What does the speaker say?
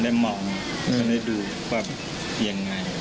น้องเขาอยู่ไหมเนี่ย